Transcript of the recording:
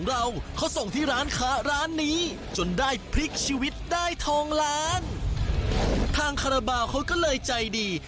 ทางขระเปล่าเขาก็เลยใจดี